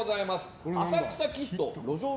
浅草キッド。